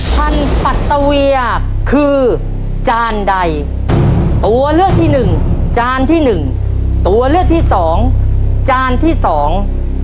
พันธุ์ปัตตะเวียคือจานใดตัวเลือกที่หนึ่งจานที่หนึ่งตัวเลือกที่สองจานที่สอง